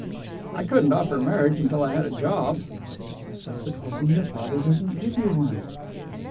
"I couldn't offer marriage until I had a job." "But supposing your father doesn't give you one?"